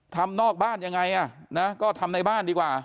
ทำที่นอกบ้านอย่าง่ายะเนอะก็ก็ทำในบ้านดีกว่า